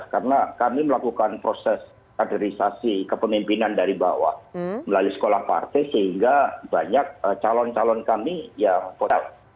karena kami melakukan proses kaderisasi kepemimpinan dari bawah melalui sekolah partai sehingga banyak calon calon kami yang potensi